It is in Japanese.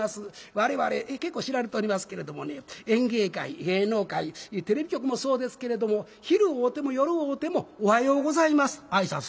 我々結構知られておりますけれどもね演芸界芸能界テレビ局もそうですけれども昼会うても夜会うても「おはようございます」挨拶するんですね。